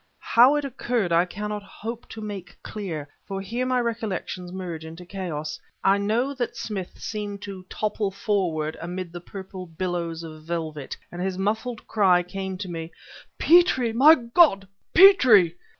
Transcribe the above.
How it occurred I cannot hope to make dear, for here my recollections merge into a chaos. I know that Smith seemed to topple forward amid the purple billows of velvet, and his muffled cry came to me: "Petrie! My God, Petrie!"...